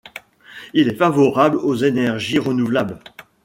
Il est favorable aux énergies renouvelables.